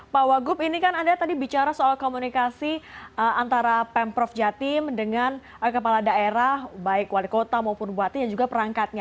pak wagub ini kan anda tadi bicara soal komunikasi antara pemprov jatim dengan kepala daerah baik wali kota maupun bupati dan juga perangkatnya